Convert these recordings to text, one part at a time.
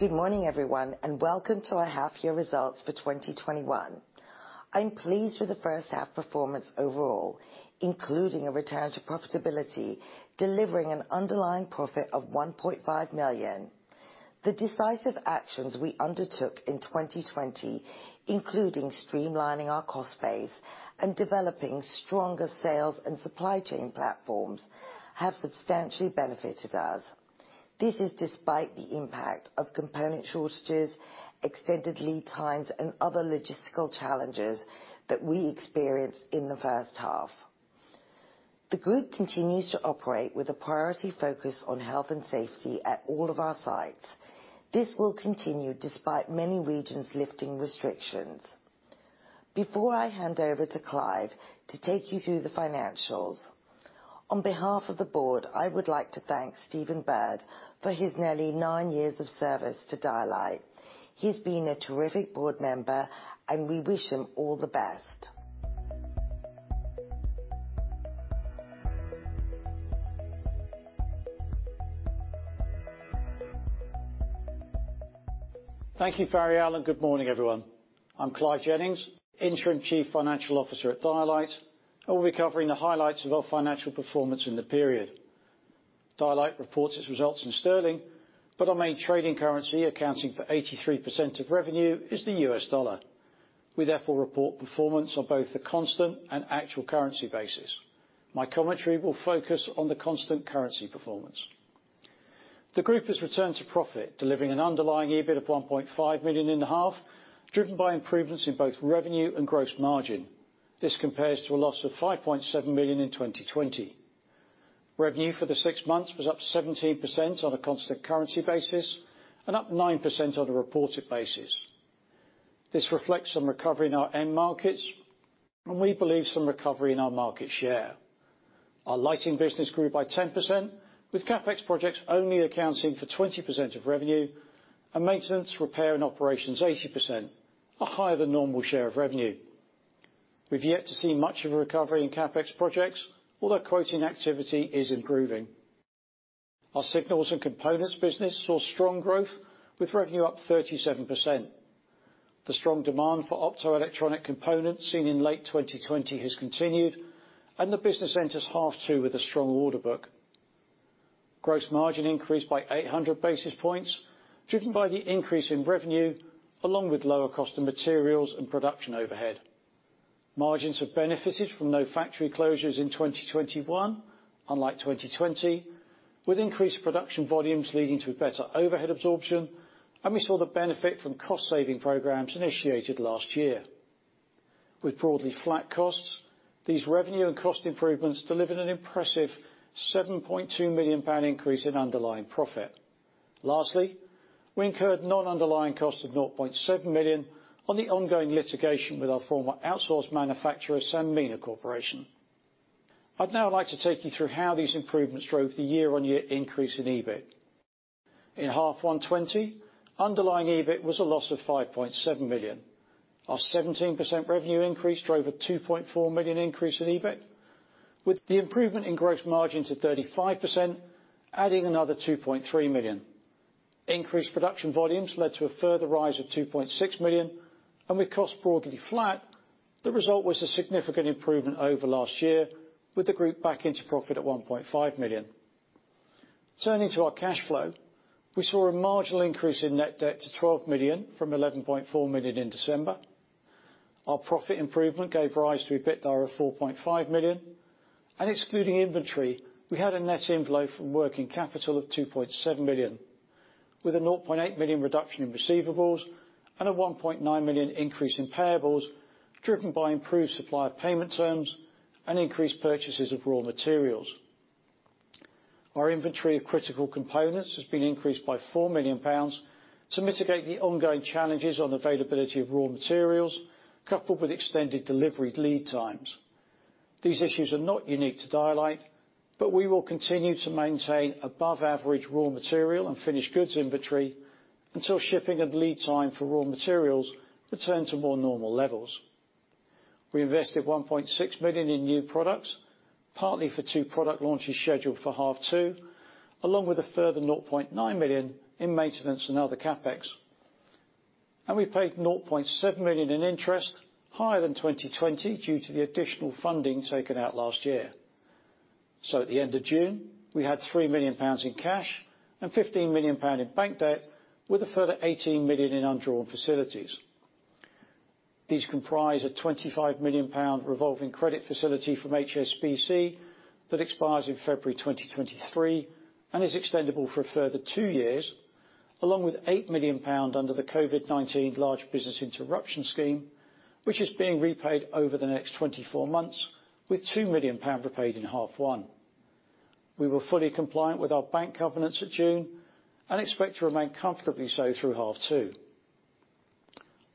Good morning, everyone, and welcome to our half year results for 2021. I'm pleased with the first half performance overall, including a return to profitability, delivering an underlying profit of 1.5 million. The decisive actions we undertook in 2020, including streamlining our cost base and developing stronger sales and supply chain platforms, have substantially benefited us. This is despite the impact of component shortages, extended lead times, and other logistical challenges that we experienced in the first half. The group continues to operate with a priority focus on health and safety at all of our sites. This will continue despite many regions lifting restrictions. Before I hand over to Clive to take you through the financials, on behalf of the Board, I would like to thank Stephen Bird for his nearly nine years of service to Dialight. He's been a terrific board member, and we wish him all the best. Thank you, Fariyal, and good morning, everyone. I'm Clive Jennings, Interim Chief Financial Officer at Dialight, and we'll be covering the highlights of our financial performance in the period. Dialight reports its results in sterling, but our main trading currency, accounting for 83% of revenue, is the U.S. dollar. We therefore report performance on both the constant and actual currency basis. My commentary will focus on the constant currency performance. The group has returned to profit, delivering an underlying EBIT of 1.5 million in the half, driven by improvements in both revenue and gross margin. This compares to a loss of 5.7 million in 2020. Revenue for the six months was up 17% on a constant currency basis and up 9% on a reported basis. This reflects some recovery in our end markets, and we believe some recovery in our market share. Our Lighting business grew by 10%, with CapEx projects only accounting for 20% of revenue, and maintenance, repair, and operations 80%, a higher than normal share of revenue. We've yet to see much of a recovery in CapEx projects, although quoting activity is improving. Our Signals & Components business saw strong growth with revenue up 37%. The strong demand for optoelectronic components seen in late 2020 has continued, and the business enters half two with a strong order book. Gross margin increased by 800 basis points, driven by the increase in revenue, along with lower cost of materials and production overhead. Margins have benefited from no factory closures in 2021, unlike 2020, with increased production volumes leading to better overhead absorption, and we saw the benefit from cost-saving programs initiated last year. With broadly flat costs, these revenue and cost improvements delivered an impressive 7.2 million pound increase in underlying profit. Lastly, we incurred non-underlying costs of 0.7 million on the ongoing litigation with our former outsourced manufacturer, Sanmina Corporation. I'd now like to take you through how these improvements drove the year-on-year increase in EBIT. In half one 2020, underlying EBIT was a loss of 5.7 million. Our 17% revenue increase drove a 2.4 million increase in EBIT, with the improvement in gross margin to 35% adding another 2.3 million. Increased production volumes led to a further rise of 2.6 million, and with costs broadly flat, the result was a significant improvement over last year, with the group back into profit at 1.5 million. Turning to our cash flow, we saw a marginal increase in net debt to 12 million from 11.4 million in December. Our profit improvement gave rise to EBITDA of 4.5 million. Excluding inventory, we had a net inflow from working capital of 2.7 million, with a 0.8 million reduction in receivables and a 1.9 million increase in payables, driven by improved supplier payment terms and increased purchases of raw materials. Our inventory of critical components has been increased by 4 million pounds to mitigate the ongoing challenges on availability of raw materials, coupled with extended delivery lead times. These issues are not unique to Dialight. We will continue to maintain above average raw material and finished goods inventory until shipping and lead time for raw materials return to more normal levels. We invested 1.6 million in new products, partly for two product launches scheduled for half two, along with a further 0.9 million in maintenance and other CapEx. We paid 0.7 million in interest, higher than 2020 due to the additional funding taken out last year. At the end of June, we had 3 million pounds in cash and 15 million pound in bank debt, with a further 18 million in undrawn facilities. These comprise a 25 million pound revolving credit facility from HSBC that expires in February 2023 and is extendable for a further two years, along with 8 million pound under the COVID-19 Large Business Interruption Scheme, which is being repaid over the next 24 months, with 2 million pound repaid in half one. We were fully compliant with our bank covenants at June and expect to remain comfortably so through half two.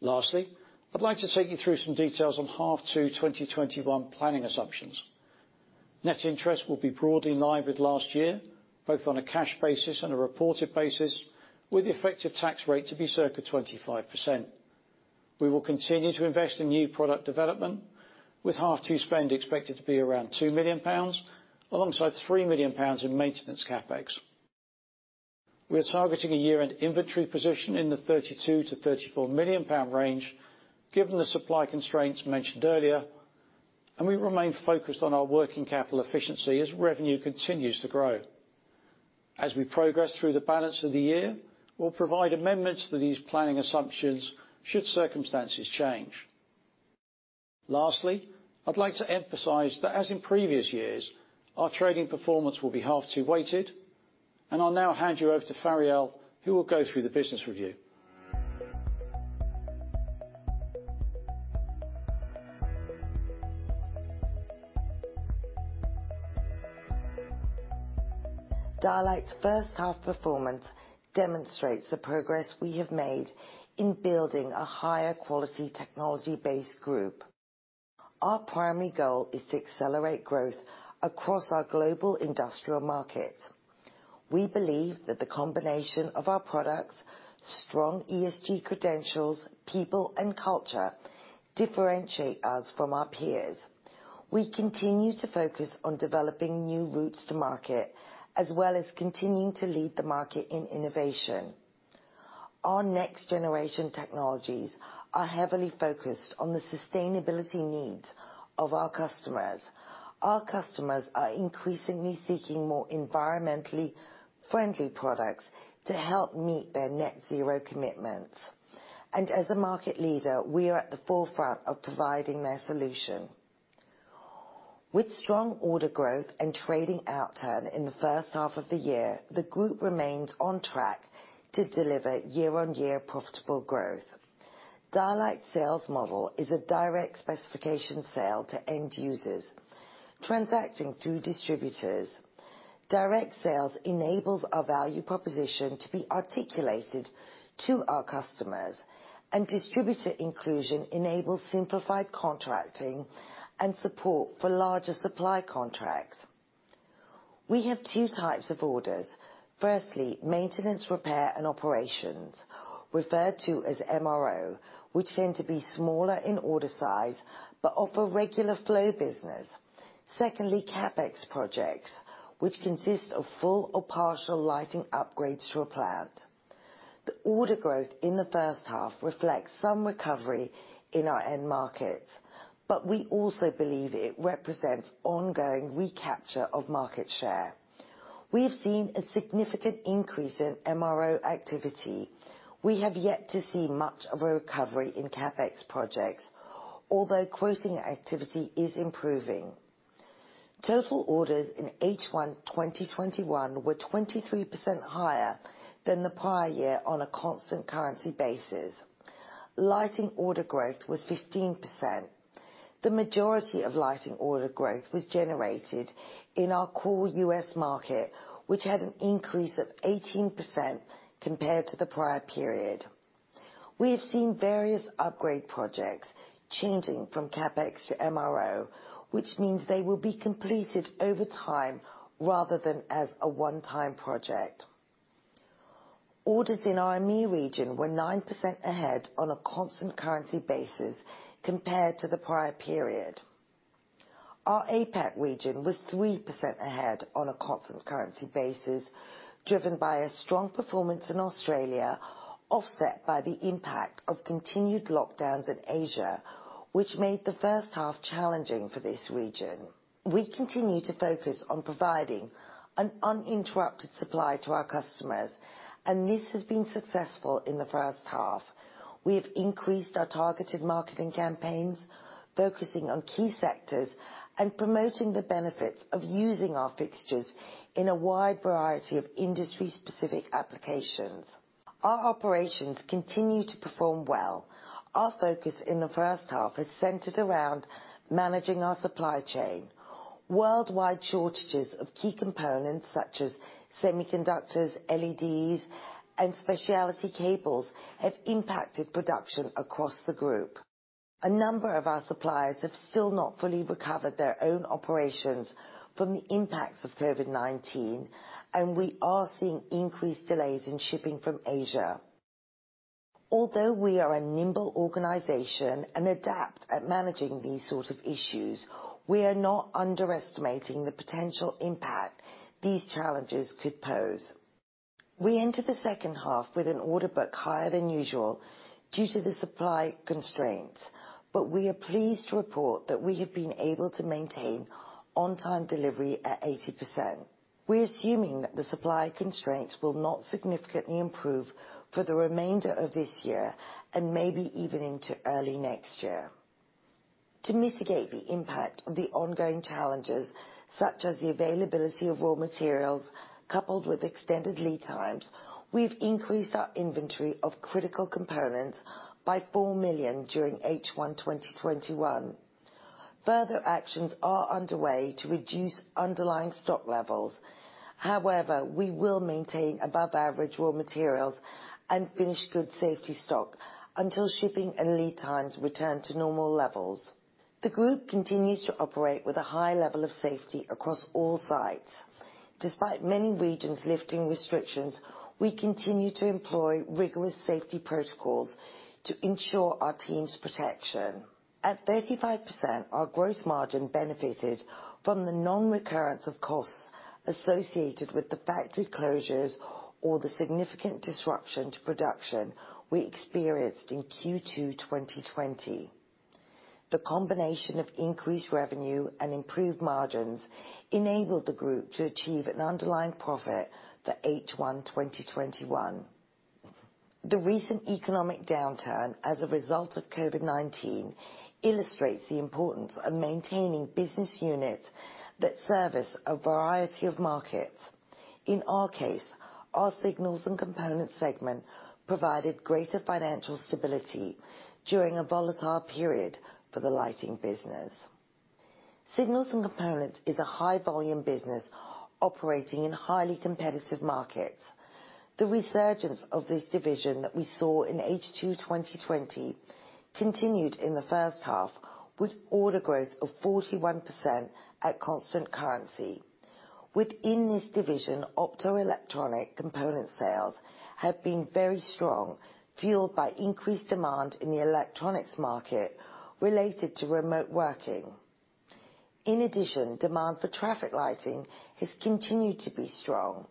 I'd like to take you through some details on half two 2021 planning assumptions. Net interest will be broadly in line with last year, both on a cash basis and a reported basis, with the effective tax rate to be circa 25%. We will continue to invest in new product development with half two spend expected to be around 2 million pounds, alongside 3 million pounds in maintenance CapEx. We are targeting a year-end inventory position in the 32 million-34 million pound range, given the supply constraints mentioned earlier, and we remain focused on our working capital efficiency as revenue continues to grow. As we progress through the balance of the year, we'll provide amendments to these planning assumptions should circumstances change. Lastly, I'd like to emphasize that, as in previous years, our trading performance will be half two weighted, and I'll now hand you over to Fariyal, who will go through the business review. Dialight's first half performance demonstrates the progress we have made in building a higher quality technology-based group. Our primary goal is to accelerate growth across our global industrial markets. We believe that the combination of our products, strong ESG credentials, people, and culture differentiate us from our peers. We continue to focus on developing new routes to market, as well as continuing to lead the market in innovation. Our next generation technologies are heavily focused on the sustainability needs of our customers. Our customers are increasingly seeking more environmentally friendly products to help meet their net zero commitments. As a market leader, we are at the forefront of providing their solution. With strong order growth and trading outturn in the first half of the year, the group remains on track to deliver year-on-year profitable growth. Dialight sales model is a direct specification sale to end users, transacting through distributors. Direct sales enables our value proposition to be articulated to our customers, and distributor inclusion enables simplified contracting and support for larger supply contracts. We have two types of orders. Firstly, maintenance, repair, and operations, referred to as MRO, which tend to be smaller in order size but offer regular flow business. Secondly, CapEx projects, which consist of full or partial lighting upgrades to a plant. The order growth in the first half reflects some recovery in our end markets, but we also believe it represents ongoing recapture of market share. We have seen a significant increase in MRO activity. We have yet to see much of a recovery in CapEx projects, although quoting activity is improving. Total orders in H1 2021 were 23% higher than the prior year on a constant currency basis. Lighting order growth was 15%. The majority of lighting order growth was generated in our core U.S. market, which had an increase of 18% compared to the prior period. We have seen various upgrade projects changing from CapEx to MRO, which means they will be completed over time rather than as a one-time project. Orders in EMEA region were 9% ahead on a constant currency basis compared to the prior period. Our APAC region was 3% ahead on a constant currency basis, driven by a strong performance in Australia, offset by the impact of continued lockdowns in Asia, which made the first half challenging for this region. We continue to focus on providing an uninterrupted supply to our customers, and this has been successful in the first half. We have increased our targeted marketing campaigns, focusing on key sectors and promoting the benefits of using our fixtures in a wide variety of industry-specific applications. Our operations continue to perform well. Our focus in the first half has centered around managing our supply chain. Worldwide shortages of key components such as semiconductors, LEDs, and specialty cables have impacted production across the group. A number of our suppliers have still not fully recovered their own operations from the impacts of COVID-19, and we are seeing increased delays in shipping from Asia. Although, we are a nimble organization and adapt at managing these sort of issues, we are not underestimating the potential impact these challenges could pose. We enter the second half with an order book higher than usual due to the supply constraints. We are pleased to report that we have been able to maintain on-time delivery at 80%. We're assuming that the supply constraints will not significantly improve for the remainder of this year and maybe even into early next year. To mitigate the impact of the ongoing challenges, such as the availability of raw materials, coupled with extended lead times, we've increased our inventory of critical components by 4 million during H1 2021. Further actions are underway to reduce underlying stock levels. However, we will maintain above average raw materials and finished good safety stock until shipping and lead times return to normal levels. The group continues to operate with a high level of safety across all sites. Despite many regions lifting restrictions, we continue to employ rigorous safety protocols to ensure our team's protection. At 35%, our gross margin benefited from the non-recurrence of costs associated with the factory closures or the significant disruption to production we experienced in Q2 2020. The combination of increased revenue and improved margins enabled the group to achieve an underlying profit for H1 2021. The recent economic downturn as a result of COVID-19 illustrates the importance of maintaining business units that service a variety of markets. In our case, our Signals & Components segment provided greater financial stability during a volatile period for the Lighting business. Signals & Components is a high-volume business operating in highly competitive markets. The resurgence of this division that we saw in H2 2020 continued in the first half with order growth of 41% at constant currency. Within this division, optoelectronic component sales have been very strong, fueled by increased demand in the electronics market related to remote working. In addition, demand for traffic lighting has continued to be strong.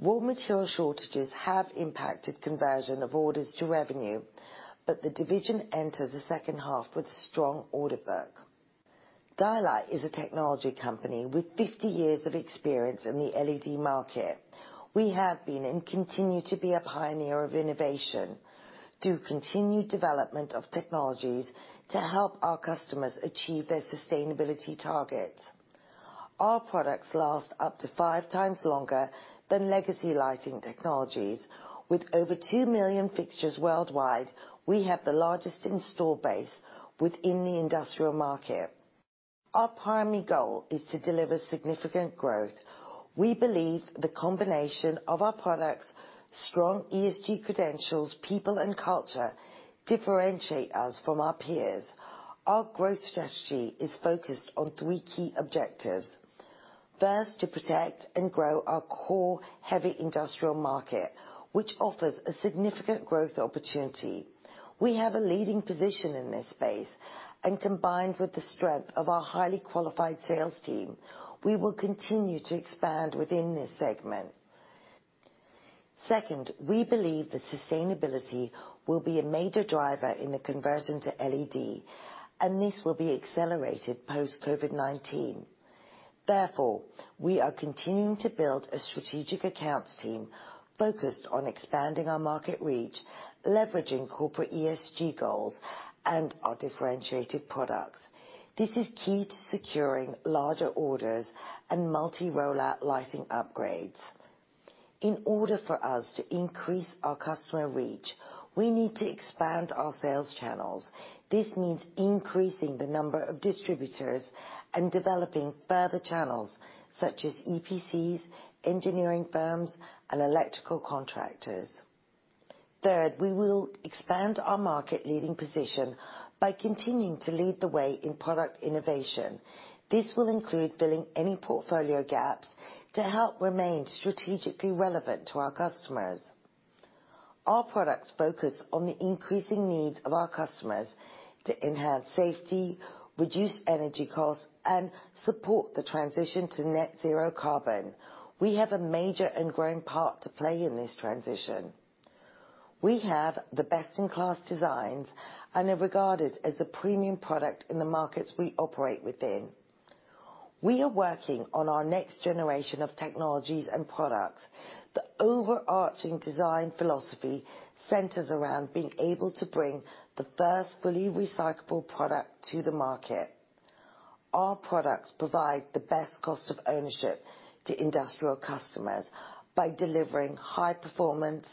Raw material shortages have impacted conversion of orders to revenue, but the division enters the second half with a strong order book. Dialight is a technology company with 50 years of experience in the LED market. We have been, and continue to be, a pioneer of innovation through continued development of technologies to help our customers achieve their sustainability targets. Our products last up to five times longer than legacy lighting technologies. With over two million fixtures worldwide, we have the largest install base within the industrial market. Our primary goal is to deliver significant growth. We believe the combination of our products, strong ESG credentials, people, and culture differentiate us from our peers. Our growth strategy is focused on three key objectives. First, to protect and grow our core heavy industrial market, which offers a significant growth opportunity. We have a leading position in this space, and combined with the strength of our highly qualified sales team, we will continue to expand within this segment. Second, we believe that sustainability will be a major driver in the conversion to LED, and this will be accelerated post-COVID-19. We are continuing to build a strategic accounts team focused on expanding our market reach, leveraging corporate ESG goals, and our differentiated products. This is key to securing larger orders and multi-rollout lighting upgrades. In order for us to increase our customer reach, we need to expand our sales channels. This means increasing the number of distributors and developing further channels such as EPCs, engineering firms, and electrical contractors. Third, we will expand our market-leading position by continuing to lead the way in product innovation. This will include filling any portfolio gaps to help remain strategically relevant to our customers. Our products focus on the increasing needs of our customers to enhance safety, reduce energy costs, and support the transition to net zero carbon. We have a major and growing part to play in this transition. We have the best-in-class designs and are regarded as a premium product in the markets we operate within. We are working on our next generation of technologies and products. The overarching design philosophy centers around being able to bring the first fully recyclable product to the market. Our products provide the best cost of ownership to industrial customers by delivering high performance,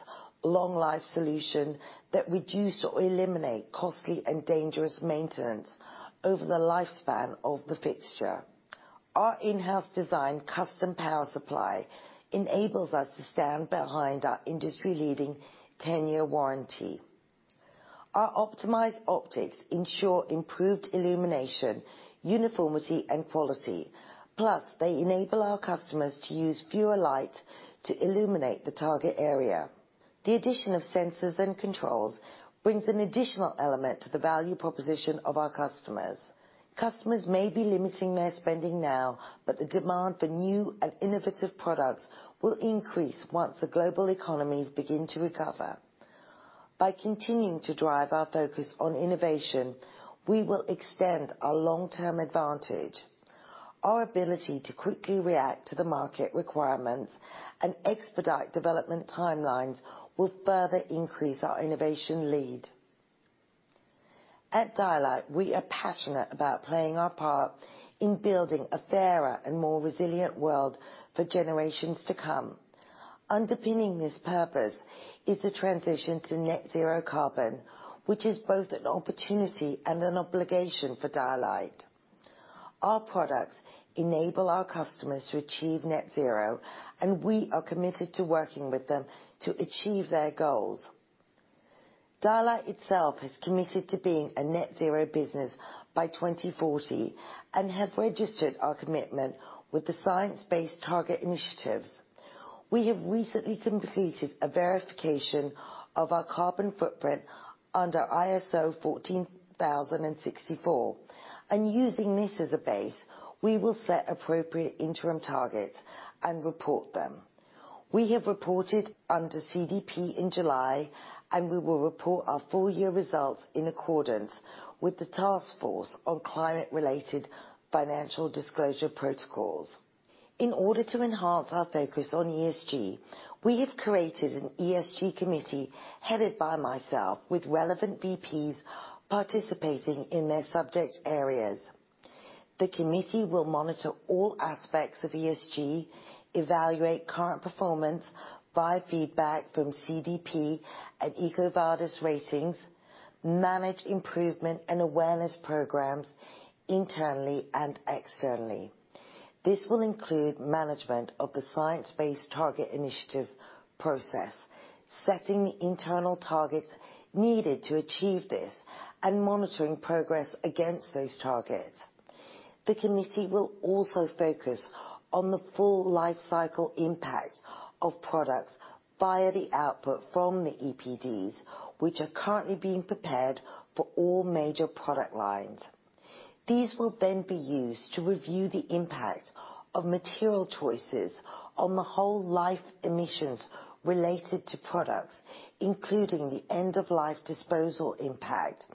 long life solution that reduce or eliminate costly and dangerous maintenance over the lifespan of the fixture. Our in-house design custom power supply enables us to stand behind our industry-leading 10-year warranty. Our optimized optics ensure improved illumination, uniformity, and quality. Plus, they enable our customers to use fewer lights to illuminate the target area. The addition of sensors and controls brings an additional element to the value proposition of our customers. Customers may be limiting their spending now, but the demand for new and innovative products will increase once the global economies begin to recover. By continuing to drive our focus on innovation, we will extend our long-term advantage. Our ability to quickly react to the market requirements and expedite development timelines will further increase our innovation lead. At Dialight, we are passionate about playing our part in building a fairer and more resilient world for generations to come. Underpinning this purpose is the transition to net zero carbon, which is both an opportunity and an obligation for Dialight. Our products enable our customers to achieve net zero, and we are committed to working with them to achieve their goals. Dialight itself has committed to being a net zero business by 2040 and have registered our commitment with the Science Based Targets initiative. We have recently completed a verification of our carbon footprint under ISO 14064, and using this as a base, we will set appropriate interim targets and report them. We have reported under CDP in July, and we will report our full-year results in accordance with the Task Force on Climate-related Financial Disclosures protocols. In order to enhance our focus on ESG, we have created an ESG committee headed by myself, with relevant VPs participating in their subject areas. The committee will monitor all aspects of ESG, evaluate current performance via feedback from CDP and EcoVadis ratings, manage improvement and awareness programs internally and externally. This will include management of the Science Based Targets initiative process, setting the internal targets needed to achieve this, and monitoring progress against those targets. The committee will also focus on the full life cycle impact of products via the output from the EPDs, which are currently being prepared for all major product lines. These will then be used to review the impact of material choices on the whole-life emissions related to products, including the end-of-life disposal impact,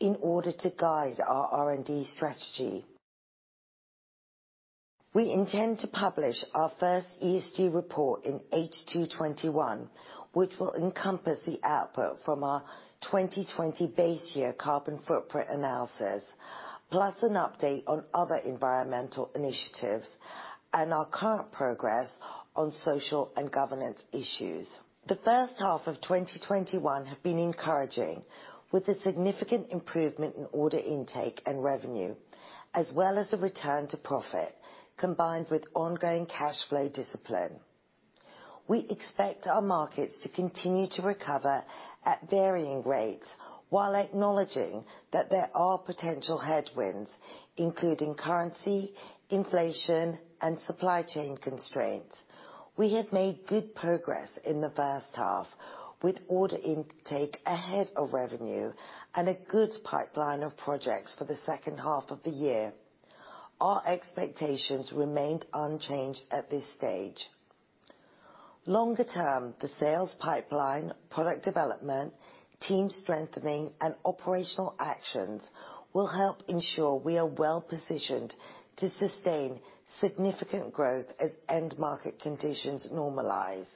in order to guide our R&D strategy. We intend to publish our first ESG report in H2 2021, which will encompass the output from our 2020 base year carbon footprint analysis, plus an update on other environmental initiatives and our current progress on social and governance issues. The first half of 2021 have been encouraging, with a significant improvement in order intake and revenue, as well as a return to profit, combined with ongoing cash flow discipline. We expect our markets to continue to recover at varying rates while acknowledging that there are potential headwinds, including currency, inflation, and supply chain constraints. We have made good progress in the first half, with order intake ahead of revenue and a good pipeline of projects for the second half of the year. Our expectations remained unchanged at this stage. Longer term, the sales pipeline, product development, team strengthening, and operational actions will help ensure we are well-positioned to sustain significant growth as end market conditions normalize.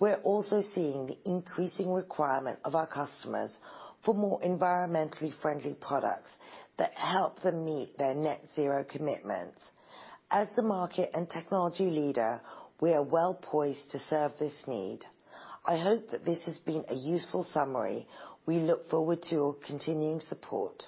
We're also seeing the increasing requirement of our customers for more environmentally friendly products that help them meet their net zero commitments. As the market and technology leader, we are well poised to serve this need. I hope that this has been a useful summary. We look forward to your continuing support.